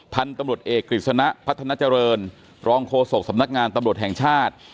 พันธุ์ตำรวจเอกกฤษณะพัฒนาเจริญรองโฆษกสำนักงานตำรวจแห่งชาติ